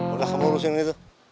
udah kamu urusin ini tuh